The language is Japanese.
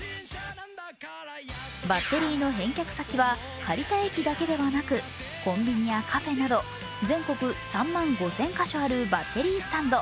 バッテリーの返却は借りた駅だけではなくコンビニやカフェなど全国３万５０００か所あるバッテリースタンド、